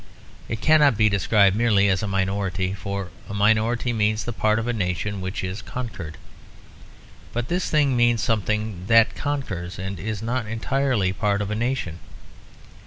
It cannot be described merely as a minority; for a minority means the part of a nation which is conquered. But this thing means something that conquers, and is not entirely part of a nation.